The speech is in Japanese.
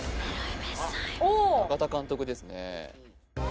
おお中田監督ですね